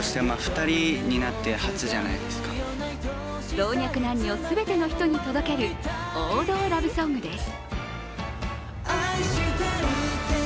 老若男女全ての人に届ける王道ラブソングです。